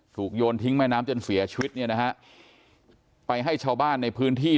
โยนทิ้งแม่น้ำจนเสียชีวิตเนี่ยนะฮะไปให้ชาวบ้านในพื้นที่